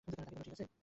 তাকে বোলো, ঠিক আছে?